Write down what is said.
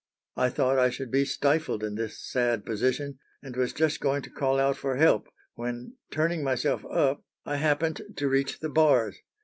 I thought I should be stifled in this sad position, and was just going to call out for help, when, turning myself up, I happened to reach the bars.